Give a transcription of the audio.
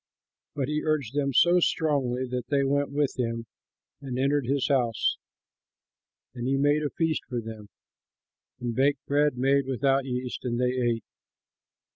But he urged them so strongly that they went with him and entered his house. And he made a feast for them and baked bread made without yeast, and they ate.